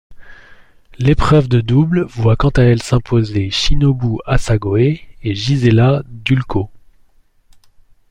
L'épreuve de double voit quant à elle s'imposer Shinobu Asagoe et Gisela Dulko.